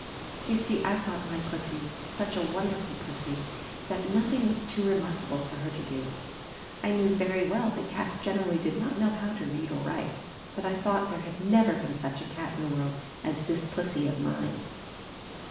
You see I thought my Pussy such a wonderful Pussy that nothing was too remarkable for her to do. I knew very well that cats generally did not know how to read or write; but I thought there had never been such a cat in the world as this Pussy of mine.